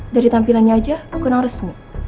dari tampilannya aja bukan orang resmi